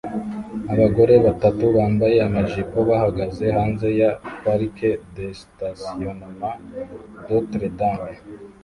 Abagore batatu bambaye amajipo bahagaze hanze ya PARC DE STATIONNEMENT DOTRE DAME